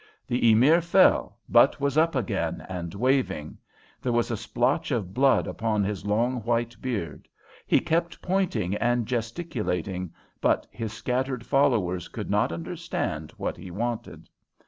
The Emir fell, but was up again and waving. There was a splotch of blood upon his long white beard. He kept pointing and gesticulating, but his scattered followers could not understand what he wanted.